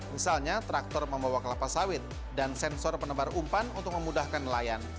misalnya traktor membawa kelapa sawit dan sensor penebar umpan untuk memudahkan nelayan